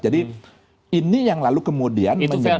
jadi ini yang lalu kemudian menyebabkan